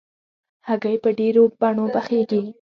هګۍ په ډېرو بڼو پخېږي.